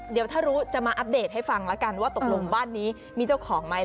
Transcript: เดี๋ยวถ้ารู้จะมาอัปเดตให้ฟังแล้วกันว่าตกลงบ้านนี้มีเจ้าของไหม